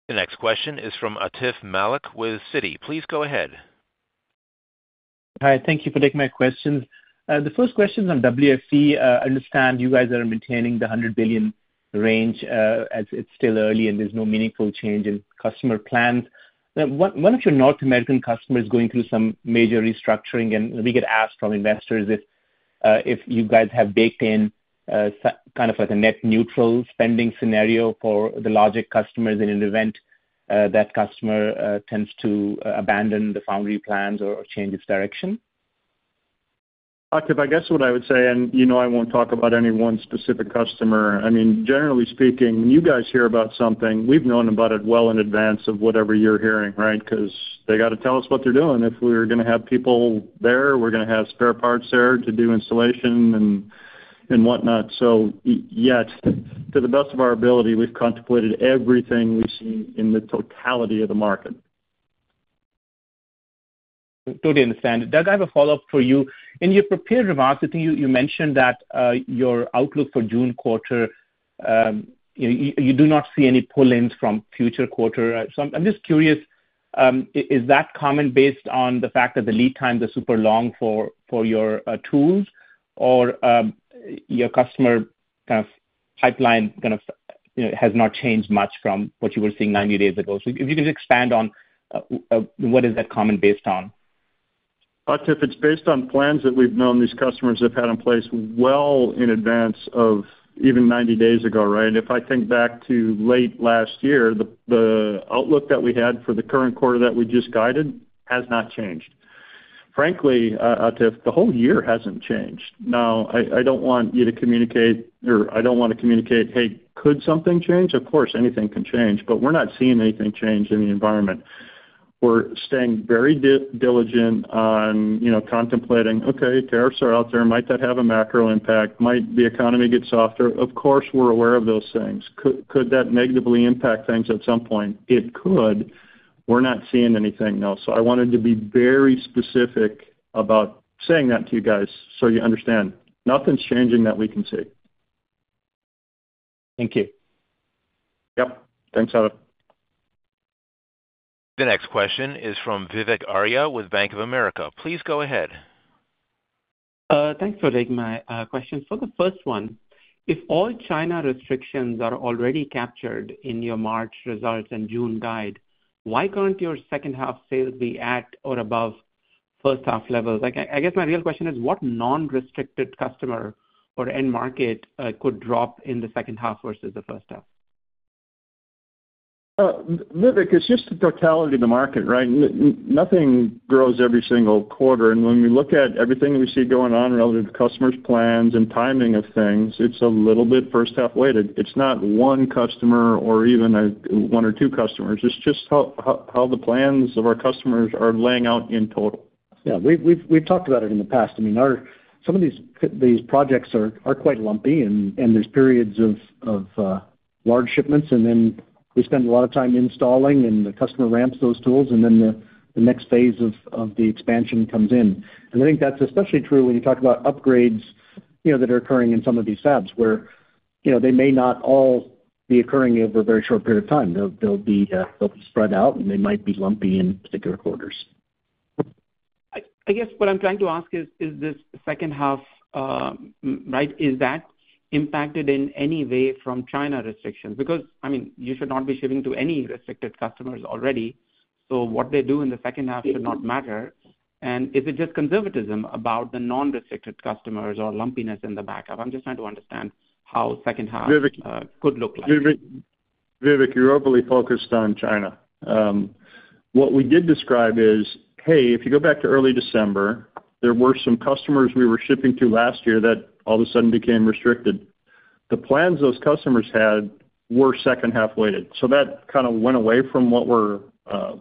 The next question is from Atif Malik with Citi. Please go ahead. Hi. Thank you for taking my questions. The first question is on WFE. I understand you guys are maintaining the $100 billion range as it's still early and there's no meaningful change in customer plans. One of your North American customers is going through some major restructuring, and we get asked from investors if you guys have baked in kind of a net-neutral spending scenario for the logic customers in an event that customer tends to abandon the foundry plans or change its direction. Atif, I guess what I would say, and I won't talk about any one specific customer. I mean, generally speaking, when you guys hear about something, we've known about it well in advance of whatever you're hearing, right? Because they got to tell us what they're doing. If we're going to have people there, we're going to have spare parts there to do installation and whatnot. Yet, to the best of our ability, we've contemplated everything we see in the totality of the market. Totally understand. Doug, I have a follow-up for you. In your prepared remarks, I think you mentioned that your outlook for June quarter, you do not see any pull-ins from future quarter. I'm just curious, is that common based on the fact that the lead time is super long for your tools, or your customer kind of pipeline kind of has not changed much from what you were seeing 90 days ago? If you could expand on what is that common based on? Atif, it's based on plans that we've known these customers have had in place well in advance of even 90 days ago, right? If I think back to late last year, the outlook that we had for the current quarter that we just guided has not changed. Frankly, Atif, the whole year hasn't changed. Now, I don't want you to communicate or I don't want to communicate, "Hey, could something change?" Of course, anything can change, but we're not seeing anything change in the environment. We're staying very diligent on contemplating, "Okay, tariffs are out there. Might that have a macro impact? Might the economy get softer?" Of course, we're aware of those things. Could that negatively impact things at some point? It could. We're not seeing anything, no. I wanted to be very specific about saying that to you guys so you understand. Nothing's changing that we can see. Thank you. Yep. Thanks, Atif. The next question is from Vivek Arya with Bank of America. Please go ahead. Thanks for taking my question. For the first one, if all China restrictions are already captured in your March results and June guide, why can't your second-half sales be at or above first-half levels? I guess my real question is, what non-restricted customer or end market could drop in the second half versus the first half? Vivek, it's just the totality of the market, right? Nothing grows every single quarter. When we look at everything that we see going on relative to customers' plans and timing of things, it's a little bit first-half weighted. It's not one customer or even one or two customers. It's just how the plans of our customers are laying out in total. Yeah. We've talked about it in the past. I mean, some of these projects are quite lumpy, and there are periods of large shipments, and then we spend a lot of time installing, and the customer ramps those tools, and the next phase of the expansion comes in. I think that is especially true when you talk about upgrades that are occurring in some of these fabs where they may not all be occurring over a very short period of time. They will be spread out, and they might be lumpy in particular quarters. I guess what I am trying to ask is, is this second half, right, is that impacted in any way from China restrictions? Because, I mean, you should not be shipping to any restricted customers already. What they do in the second half should not matter. Is it just conservatism about the non-restricted customers or lumpiness in the backup? I'm just trying to understand how second half could look like. Vivek, you're overly focused on China. What we did describe is, "Hey, if you go back to early December, there were some customers we were shipping to last year that all of a sudden became restricted. The plans those customers had were second-half weighted." That kind of went away from what we're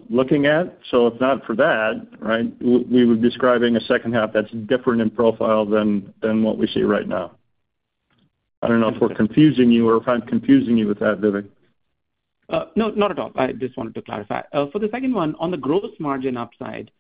looking at. If not for that, right, we were describing a second half that's different in profile than what we see right now. I don't know if we're confusing you or if I'm confusing you with that, Vivek. No, not at all. I just wanted to clarify. For the second one, on the gross margin upside,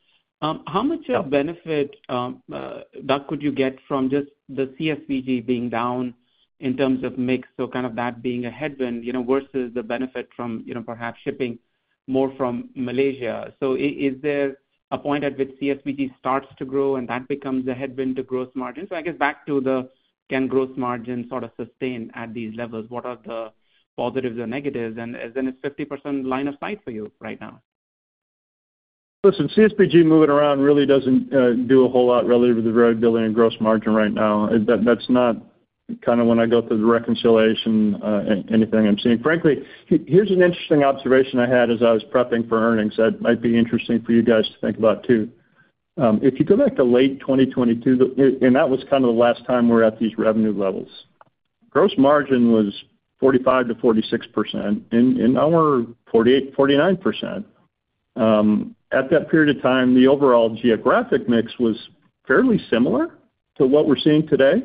how much of a benefit, Doug, could you get from just the CSBG being down in terms of mix? Kind of that being a headwind versus the benefit from perhaps shipping more from Malaysia. Is there a point at which CSBG starts to grow and that becomes a headwind to gross margin? I guess back to the, can gross margin sort of sustain at these levels? What are the positives or negatives? Is it a 50% line of sight for you right now? Listen, CSBG moving around really does not do a whole lot relative to the road building and gross margin right now. That is not kind of when I go through the reconciliation, anything I am seeing. Frankly, here is an interesting observation I had as I was prepping for earnings. That might be interesting for you guys to think about too. If you go back to late 2022, and that was kind of the last time we're at these revenue levels, gross margin was 45%-46%. In our 48%-49%, at that period of time, the overall geographic mix was fairly similar to what we're seeing today.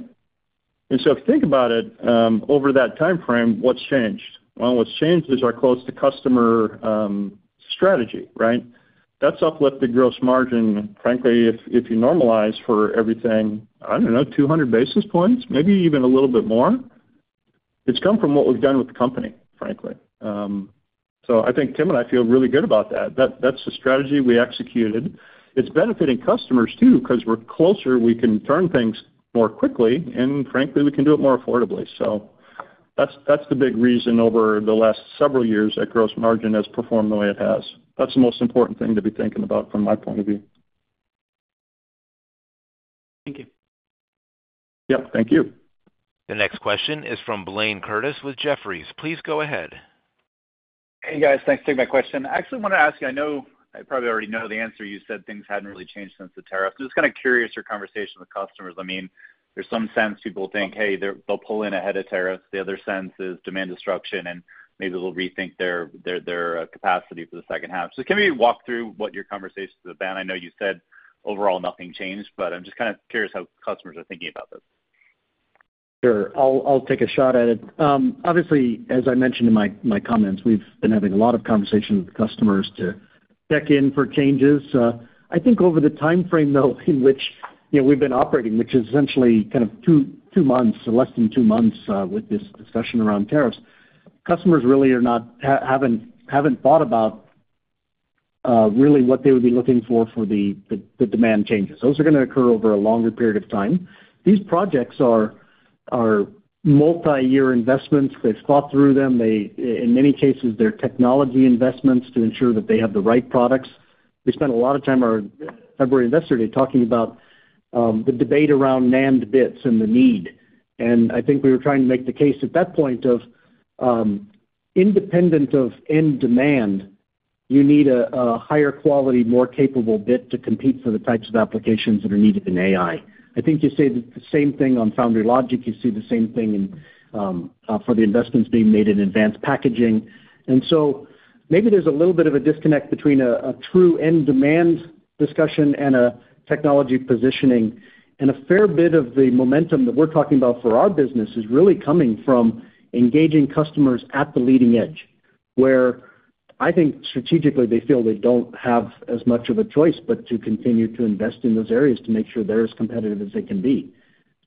If you think about it, over that timeframe, what's changed? What's changed is our close-to-customer strategy, right? That's uplifted gross margin. Frankly, if you normalize for everything, I don't know, 200 basis points, maybe even a little bit more, it's come from what we've done with the company, frankly. I think Tim and I feel really good about that. That's the strategy we executed. It's benefiting customers too because we're closer, we can turn things more quickly, and frankly, we can do it more affordably. That's the big reason over the last several years that gross margin has performed the way it has. That's the most important thing to be thinking about from my point of view. Thank you. Yep. Thank you. The next question is from Blayne Curtis with Jefferies. Please go ahead. Hey, guys. Thanks for taking my question. I actually wanted to ask you, I know I probably already know the answer. You said things hadn't really changed since the tariffs. I'm just kind of curious your conversation with customers. I mean, there's some sense people think, "Hey, they'll pull in ahead of tariffs." The other sense is demand destruction, and maybe they'll rethink their capacity for the second half. Can we walk through what your conversation with them? I know you said overall nothing changed, but I'm just kind of curious how customers are thinking about this. Sure. I'll take a shot at it. Obviously, as I mentioned in my comments, we've been having a lot of conversations with customers to check in for changes. I think over the timeframe, though, in which we've been operating, which is essentially kind of two months or less than two months with this discussion around tariffs, customers really haven't thought about really what they would be looking for for the demand changes. Those are going to occur over a longer period of time. These projects are multi-year investments. They've thought through them. In many cases, they're technology investments to ensure that they have the right products. We spent a lot of time on February Investor Day talking about the debate around NAND bits and the need. I think we were trying to make the case at that point of independent of end demand, you need a higher quality, more capable bit to compete for the types of applications that are needed in AI. I think you say the same thing on foundry logic. You see the same thing for the investments being made in advanced packaging. Maybe there's a little bit of a disconnect between a true end demand discussion and a technology positioning. A fair bit of the momentum that we're talking about for our business is really coming from engaging customers at the leading edge, where I think strategically they feel they do not have as much of a choice but to continue to invest in those areas to make sure they're as competitive as they can be.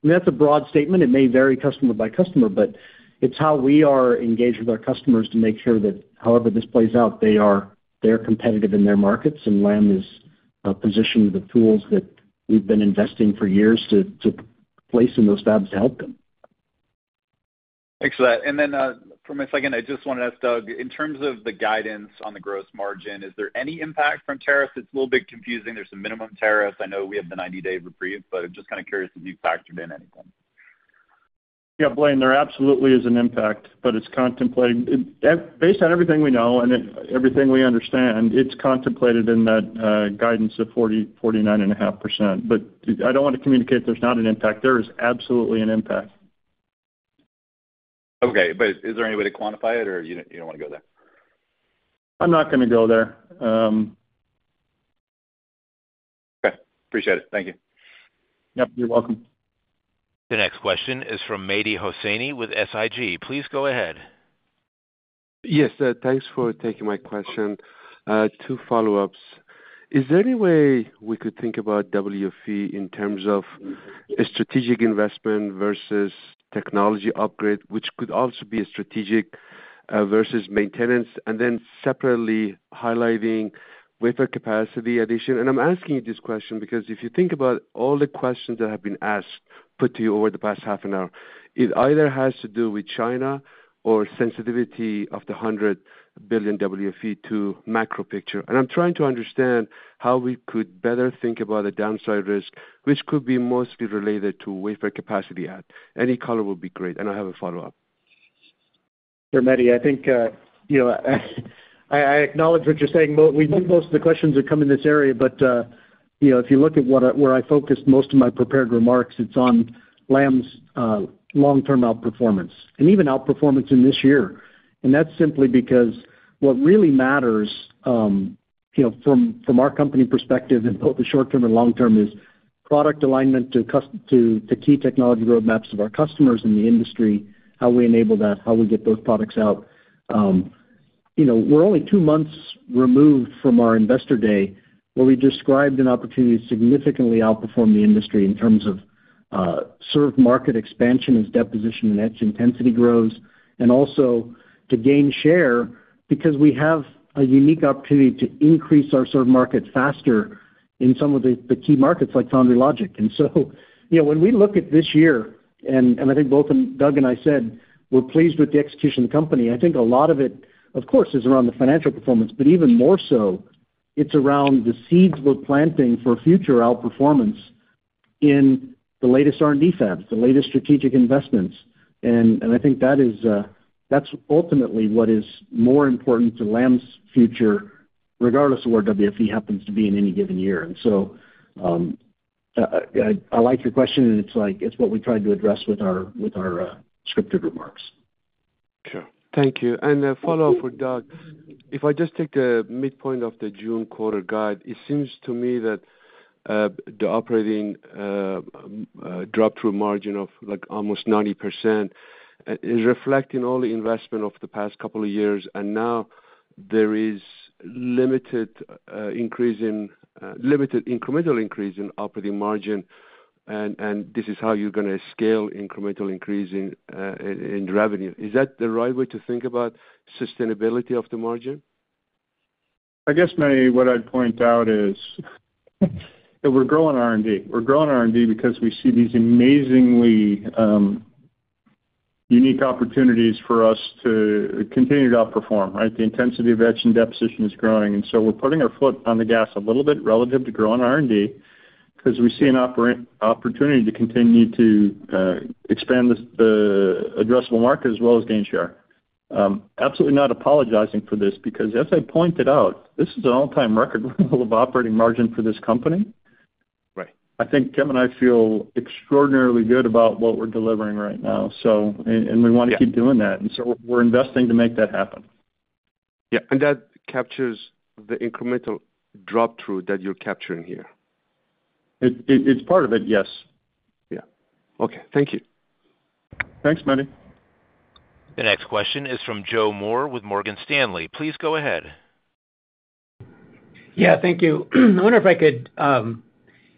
I mean, that's a broad statement. It may vary customer by customer, but it's how we are engaged with our customers to make sure that however this plays out, they are competitive in their markets, and Lam is positioned with the tools that we've been investing for years to place in those fabs to help them. Thanks for that. For a second, I just want to ask Doug, in terms of the guidance on the gross margin, is there any impact from tariffs? It's a little bit confusing. There's a minimum tariff. I know we have the 90-day reprieve, but I'm just kind of curious if you've factored in anything. Yeah, Blayne, there absolutely is an impact, but it's contemplated based on everything we know and everything we understand, it's contemplated in that guidance of 49.5%. I don't want to communicate there's not an impact. There is absolutely an impact. Okay. Is there any way to quantify it, or you don't want to go there? I'm not going to go there. Okay. Appreciate it. Thank you. Yep. You're welcome. The next question is from Mehdi Hosseini with SIG. Please go ahead. Yes. Thanks for taking my question. Two follow-ups. Is there any way we could think about WFE in terms of a strategic investment versus technology upgrade, which could also be a strategic versus maintenance, and then separately highlighting wafer capacity addition? I'm asking you this question because if you think about all the questions that have been asked, put to you over the past half an hour, it either has to do with China or sensitivity of the $100 billion WFE to macro picture. I'm trying to understand how we could better think about the downside risk, which could be mostly related to wafer capacity add. Any color would be great. I have a follow-up. Sure, Mehdi. I think I acknowledge what you're saying. Most of the questions are coming in this area. If you look at where I focused most of my prepared remarks, it is on Lam's long-term outperformance and even outperformance in this year. That is simply because what really matters from our company perspective in both the short-term and long-term is product alignment to key technology roadmaps of our customers in the industry, how we enable that, how we get those products out. We are only two months removed from our Investor Day where we described an opportunity to significantly outperform the industry in terms of served market expansion as deposition and etch intensity grows, and also to gain share because we have a unique opportunity to increase our served market faster in some of the key markets like foundry logic. When we look at this year, and I think both Doug and I said, we're pleased with the execution of the company. I think a lot of it, of course, is around the financial performance, but even more so, it's around the seeds we're planting for future outperformance in the latest R&D fabs, the latest strategic investments. I think that's ultimately what is more important to Lam's future regardless of where WFE happens to be in any given year. I like your question, and it's what we tried to address with our scripted remarks. Sure. Thank you. A follow-up for Doug. If I just take the midpoint of the June quarter guide, it seems to me that the operating drop-through margin of almost 90% is reflecting all the investment of the past couple of years, and now there is limited increasing, limited incremental increase in operating margin, and this is how you're going to scale incremental increase in revenue. Is that the right way to think about sustainability of the margin? I guess what I'd point out is that we're growing R&D. We're growing R&D because we see these amazingly unique opportunities for us to continue to outperform, right? The intensity of etch and deposition is growing. We're putting our foot on the gas a little bit relative to growing R&D because we see an opportunity to continue to expand the addressable market as well as gain share. Absolutely not apologizing for this because, as I pointed out, this is an all-time record level of operating margin for this company. I think Tim and I feel extraordinarily good about what we're delivering right now, and we want to keep doing that. We are investing to make that happen. Yeah. That captures the incremental drop-through that you're capturing here. It's part of it, yes. Yeah. Okay. Thank you. Thanks, Mehdi. The next question is from Joe Moore with Morgan Stanley. Please go ahead. Yeah. Thank you. I wonder if I could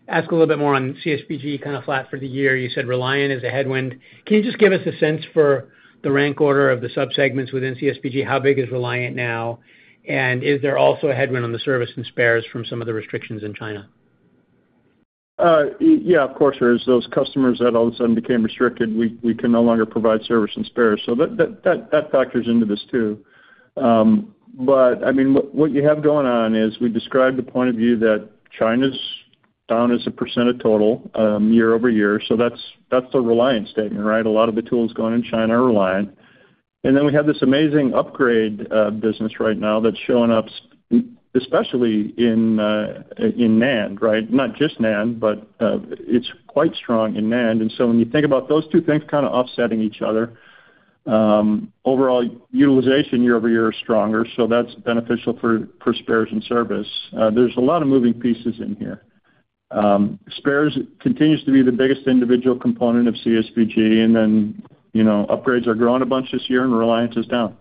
ask a little bit more on CSBG kind of flat for the year. You said Reliant is a headwind. Can you just give us a sense for the rank order of the subsegments within CSBG? How big is Reliant now? Is there also a headwind on the service and spares from some of the restrictions in China? Yeah, of course. There are those customers that all of a sudden became restricted. We can no longer provide service and spares. That factors into this too. I mean, what you have going on is we described the point of view that China's down as a % of total year-over-year. That's the Reliant statement, right? A lot of the tools going in China are Reliant. We have this amazing upgrade business right now that's showing up, especially in NAND, right? Not just NAND, but it's quite strong in NAND. When you think about those two things kind of offsetting each other, overall utilization year-over-year is stronger. That's beneficial for spares and service. There's a lot of moving pieces in here. Spares continues to be the biggest individual component of CSBG, and then upgrades are growing a bunch this year, and Reliant is down.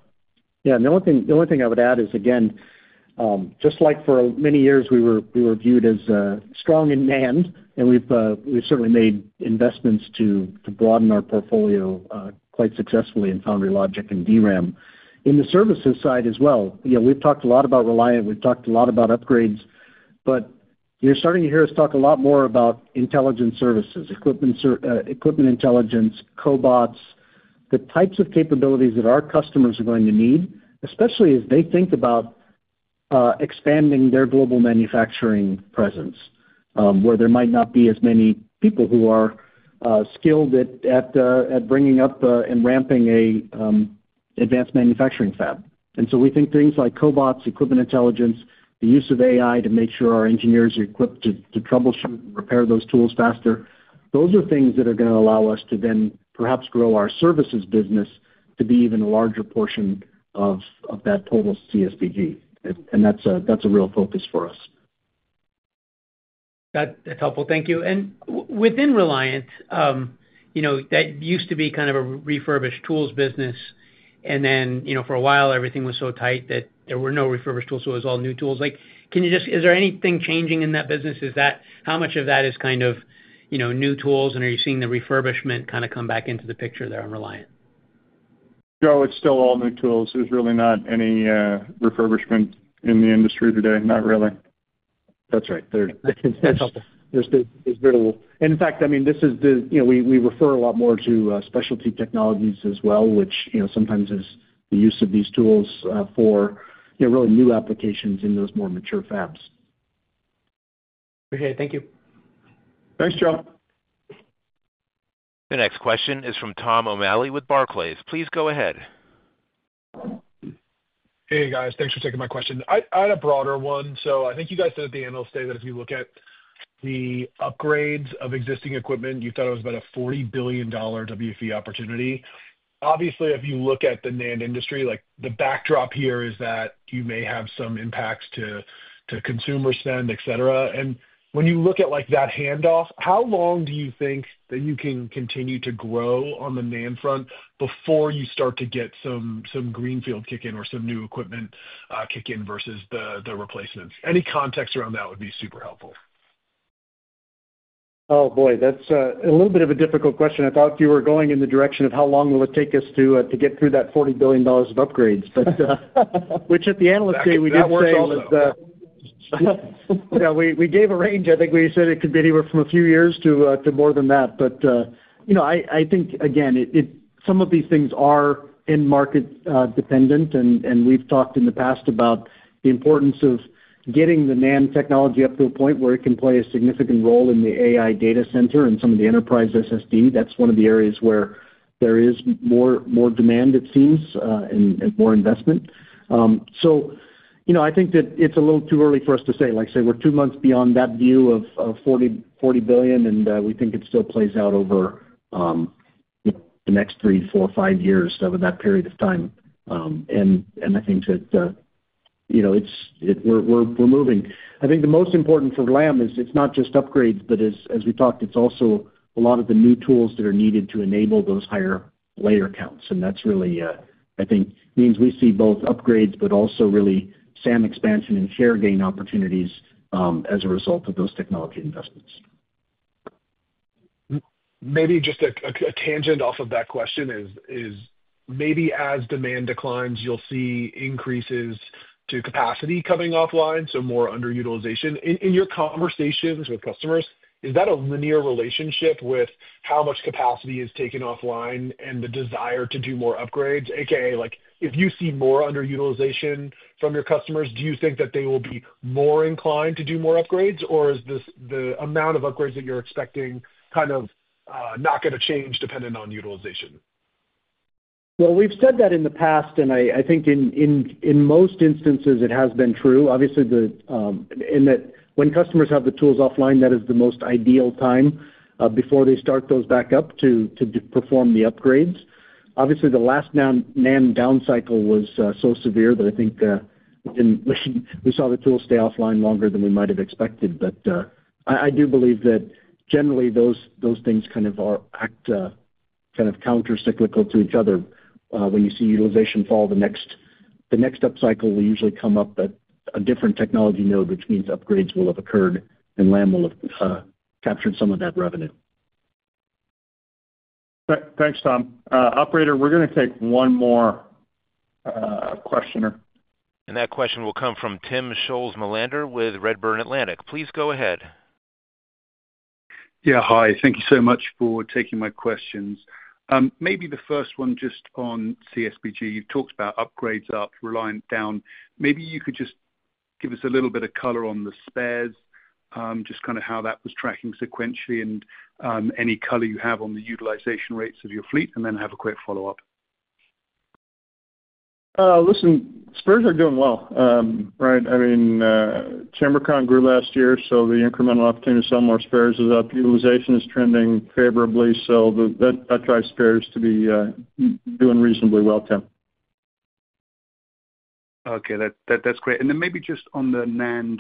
Yeah. The only thing I would add is, again, just like for many years, we were viewed as strong in NAND, and we've certainly made investments to broaden our portfolio quite successfully in foundry logic and DRAM. In the services side as well, we've talked a lot about Reliant. We've talked a lot about upgrades, but you're starting to hear us talk a lot more about Intelligent Services, equipment intelligence, cobots, the types of capabilities that our customers are going to need, especially as they think about expanding their global manufacturing presence, where there might not be as many people who are skilled at bringing up and ramping an advanced manufacturing fab. We think things like cobots, equipment intelligence, the use of AI to make sure our engineers are equipped to troubleshoot and repair those tools faster. Those are things that are going to allow us to then perhaps grow our services business to be even a larger portion of that total CSBG. That is a real focus for us. That is helpful. Thank you. Within Reliant, that used to be kind of a refurbished tools business, and then for a while, everything was so tight that there were no refurbished tools, so it was all new tools. Is there anything changing in that business? How much of that is kind of new tools, and are you seeing the refurbishment kind of come back into the picture there on Reliant? No, it is still all new tools. There is really not any refurbishment in the industry today. Not really. That is right. That's helpful. There's very little. I mean, this is the, we refer a lot more to specialty technologies as well, which sometimes is the use of these tools for really new applications in those more mature fabs. Appreciate it. Thank you. Thanks, Joe. The next question is from Tom O'Malley with Barclays. Please go ahead. Hey, guys. Thanks for taking my question. I had a broader one. I think you guys said at the end, I'll say that if you look at the upgrades of existing equipment, you thought it was about a $40 billion WFE opportunity. Obviously, if you look at the NAND industry, the backdrop here is that you may have some impacts to consumer spend, etc. When you look at that handoff, how long do you think that you can continue to grow on the NAND front before you start to get some greenfield kick-in or some new equipment kick-in versus the replacements? Any context around that would be super helpful. Oh boy. That is a little bit of a difficult question. I thought you were going in the direction of how long will it take us to get through that $40 billion of upgrades, which at the end of the day, we did not say all of the, yeah, we gave a range. I think we said it could be anywhere from a few years to more than that. I think, again, some of these things are in-market dependent, and we've talked in the past about the importance of getting the NAND technology up to a point where it can play a significant role in the AI data center and some of the enterprise SSD. That's one of the areas where there is more demand, it seems, and more investment. I think that it's a little too early for us to say, like I say, we're two months beyond that view of $40 billion, and we think it still plays out over the next three, four, five years, over that period of time. I think that we're moving. I think the most important for Lam is it's not just upgrades, but as we talked, it's also a lot of the new tools that are needed to enable those higher layer counts. That really, I think, means we see both upgrades, but also really SAM expansion and share gain opportunities as a result of those technology investments. Maybe just a tangent off of that question is maybe as demand declines, you'll see increases to capacity coming offline, so more underutilization. In your conversations with customers, is that a linear relationship with how much capacity is taken offline and the desire to do more upgrades, a.k.a. if you see more underutilization from your customers, do you think that they will be more inclined to do more upgrades, or is the amount of upgrades that you're expecting kind of not going to change dependent on utilization? We've said that in the past, and I think in most instances, it has been true. Obviously, in that when customers have the tools offline, that is the most ideal time before they start those back up to perform the upgrades. Obviously, the last NAND down cycle was so severe that I think we saw the tools stay offline longer than we might have expected. I do believe that generally, those things kind of act kind of countercyclical to each other. When you see utilization fall, the next up cycle will usually come up at a different technology node, which means upgrades will have occurred, and Lam will have captured some of that revenue. Thanks, Tom. Operator, we're going to take one more questioner. That question will come from Timm Schulze-Melander with Redburn Atlantic. Please go ahead. Yeah. Hi. Thank you so much for taking my questions. Maybe the first one just on CSBG. You've talked about upgrades up, Reliant down. Maybe you could just give us a little bit of color on the spares, just kind of how that was tracking sequentially, and any color you have on the utilization rates of your fleet, and then have a quick follow-up. Listen, spares are doing well, right? I mean, Tim, our company grew last year, so the incremental opportunity to sell more spares is up. Utilization is trending favorably, so that drives spares to be doing reasonably well, Tim. Okay. That's great. Maybe just on the NAND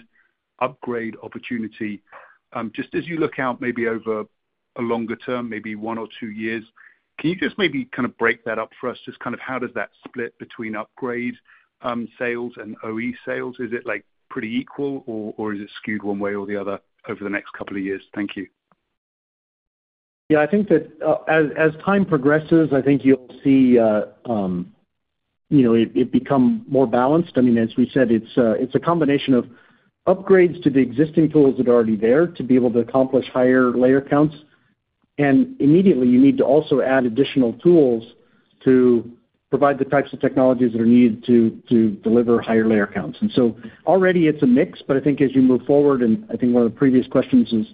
upgrade opportunity, just as you look out maybe over a longer term, maybe one or two years, can you just maybe kind of break that up for us? Just kind of how does that split between upgrade sales and OE sales? Is it pretty equal, or is it skewed one way or the other over the next couple of years? Thank you. Yeah. I think that as time progresses, I think you'll see it become more balanced. I mean, as we said, it's a combination of upgrades to the existing tools that are already there to be able to accomplish higher layer counts. Immediately, you need to also add additional tools to provide the types of technologies that are needed to deliver higher layer counts. Already, it's a mix, but I think as you move forward, and I think one of the previous questions is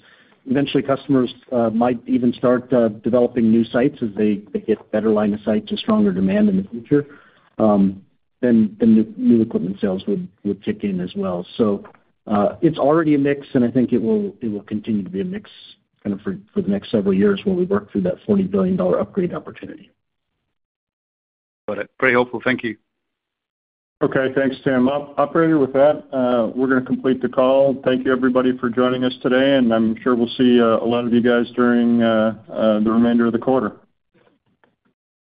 eventually customers might even start developing new sites as they get better line of sight to stronger demand in the future, then new equipment sales would kick in as well. It's already a mix, and I think it will continue to be a mix kind of for the next several years while we work through that $40 billion upgrade opportunity. Got it. Very helpful. Thank you. Okay. Thanks, Tim. Operator, with that, we're going to complete the call. Thank you, everybody, for joining us today, and I'm sure we'll see a lot of you guys during the remainder of the quarter.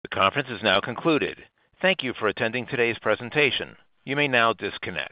The conference is now concluded. Thank you for attending today's presentation. You may now disconnect.